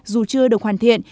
dù chưa được hoàn thiện